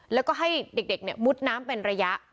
แล้วก็ให้เด็กมุดน้ำเป็นระยะ